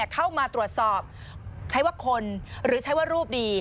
เข้ามาตรวจสอบใช้ว่าคนหรือใช้ว่ารูปดี